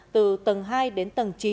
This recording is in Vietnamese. từ tầng hai đến tầng chín